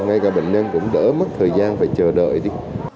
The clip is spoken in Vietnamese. ngay cả bệnh nhân cũng đỡ mất thời gian phải chờ đợi đi